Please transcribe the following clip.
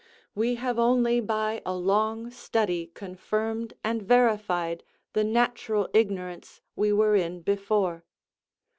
We have only by a long study confirmed and verified the natural ignorance we were in before.